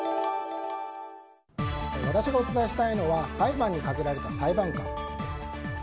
私がお伝えしたいのは裁判にかけられた裁判官です。